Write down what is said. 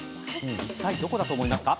いったい、どこだと思いますか？